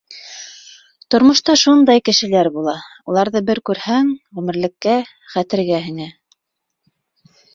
Тормошта шундай кешеләр була, уларҙы бер күрһәң, ғүмерлеккә хәтергә һеңә.